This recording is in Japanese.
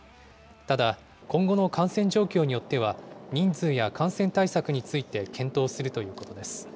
ただ、今後の感染状況によっては、人数や感染対策について検討するということです。